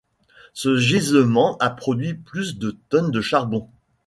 Ce gisement a produit plus de de tonnes de charbon.